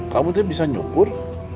kamu tidak bisa nyukur